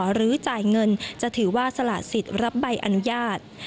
หรือจ่ายเงินจะถือว่าสละสิทธิ์รับใบอนุญาต